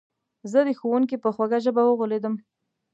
زه د ښوونکي په خوږه ژبه وغولېدم